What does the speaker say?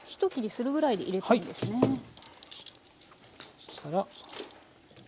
そしたら。